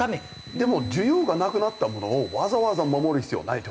でも需要がなくなったものをわざわざ守る必要はないと思うんですよ。